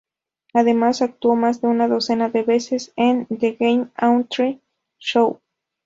Además, actuó más de una docena de veces en "The Gene Autry Show".